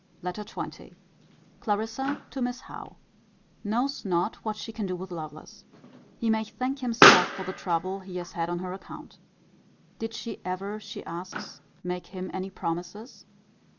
LETTER XX. Clarissa to Miss Howe. Knows not what she can do with Lovelace. He may thank himself for the trouble he has had on her account. Did she ever, she asks, make him any promises?